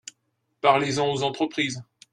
Parlez-en aux entreprises.